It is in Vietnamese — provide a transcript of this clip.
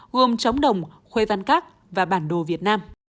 gồm trống đồng khuê văn các và bản đồ việt nam